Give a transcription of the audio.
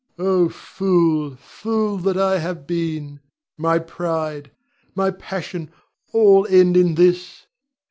Oh, fool, fool that I have been! My pride, my passion, all end in this!